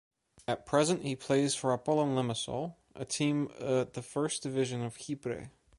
At present, he plays for Apollon Limassol, a team at the Frist Division of Chipre.